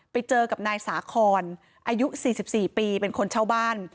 ไปเจอกับนายสาครอายุสี่สิบสี่ปีเป็นคนเช่าบ้าน